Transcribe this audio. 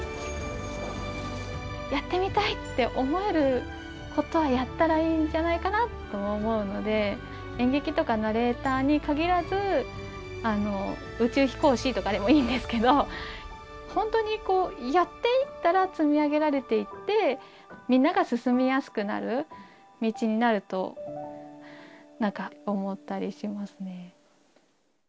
やってみたいって思えることはやったらいいんじゃないかなとも思うので、演劇とかナレーターにかぎらず、宇宙飛行士とかでもいいんですけど、本当にやっていったら積み上げられていって、みんなが進みやすくなる道になると、なんか思ったりしますね。